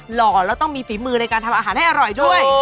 หล่อแล้วต้องมีฝีมือในการทำอาหารให้อร่อยด้วย